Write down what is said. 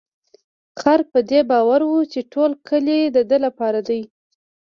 خر په دې باور و چې ټول کلي د ده لپاره دی.